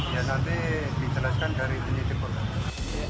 nanti dijelaskan dari penyelidik polda metro jaya